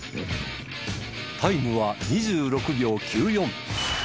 タイムは２６秒９４。